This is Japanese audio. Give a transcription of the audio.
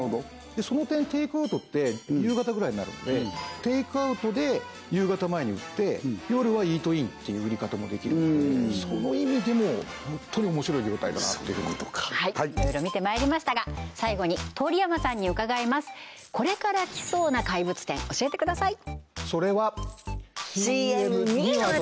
その点テイクアウトって夕方ぐらいになるのでテイクアウトで夕方前に売って夜はイートインっていう売り方もできるのでその意味でも本当に面白い業態だなっていろいろ見てまいりましたが最後に通山さんに伺います教えてください